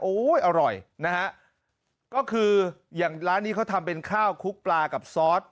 อร่อยนะฮะก็คืออย่างร้านนี้เขาทำเป็นข้าวคุกปลากับซอส